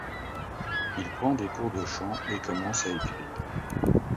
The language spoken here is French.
Il prend des cours de chant et commence à écrire.